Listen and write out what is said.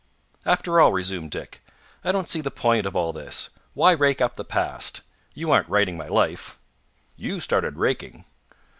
"After all," resumed Dick, "I don't see the point of all this. Why rake up the past? You aren't writing my life." "You started raking."